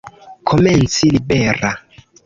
Komenci libera.